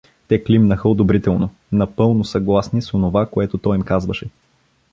Те климнаха одобрително, напълно съгласни с онова, което той им казваше.